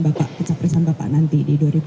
bapak kecapresan bapak nanti di dua ribu dua puluh